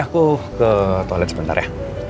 aku ke toilet sebentar ya